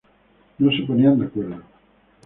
No se ponían de acuerdo.